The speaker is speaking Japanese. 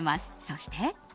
そして。